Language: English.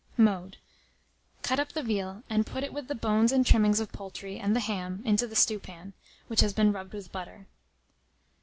Mode. Cut up the veal, and put it with the bones and trimmings of poultry, and the ham, into the stewpan, which has been rubbed with the butter.